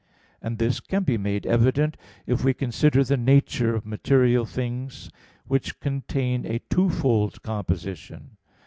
And this can be made evident if we consider the nature of material things which contain a twofold composition.